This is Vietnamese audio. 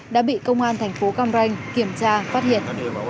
đã bị công an thành phố cam ranh kiểm tra phát hiện